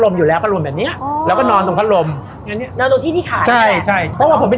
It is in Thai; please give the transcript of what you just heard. เขาก็จะเก็บต้องเอามาไว้